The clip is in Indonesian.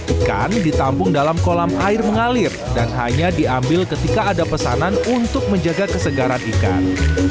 ikan ditampung dalam kolam air mengalir dan hanya diambil ketika ada pesanan untuk menjaga kesegaran ikan